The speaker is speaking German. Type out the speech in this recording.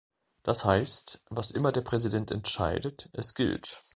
Das heißt, was immer der Präsident entscheidet, es gilt.